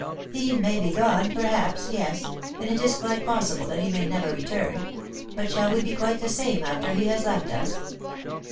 ''" He may be gone, perhaps — yes — and it is quite possible that he may never return — but shall we be quite the same after he has left us